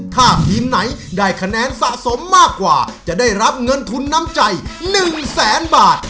ถ้าทีมไหนได้คะแนนสะสมมากกว่าจะได้รับเงินทุนน้ำใจ๑แสนบาท